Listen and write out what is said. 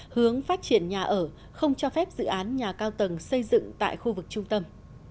hướng phát triển nhà ở không cho phép dự án nhà cao tầng xây dựng tại khu vực trung tâm